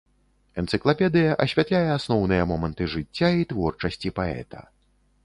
Энцыклапедыя асвятляе асноўныя моманты жыцця і творчасці паэта.